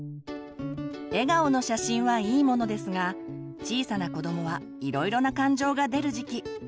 笑顔の写真はいいものですが小さな子どもはいろいろな感情が出る時期。